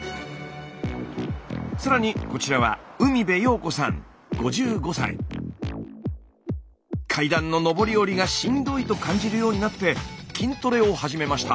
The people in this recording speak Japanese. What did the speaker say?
更にこちらは階段の上り下りがしんどいと感じるようになって筋トレを始めました。